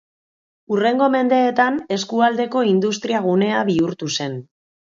Hurrengo mendeetan eskualdeko industriagunea bihurtu zen.